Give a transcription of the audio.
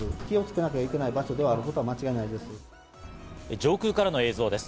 上空からの映像です。